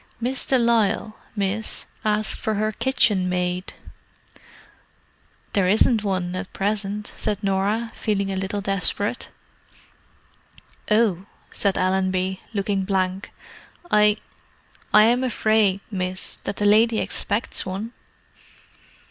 "Miss de Lisle, miss, asked for her kitchenmaid." "There isn't one, at present," said Norah, feeling a little desperate. "Oh!" said Allenby, looking blank. "I—I am afraid, miss, that the lady expects one."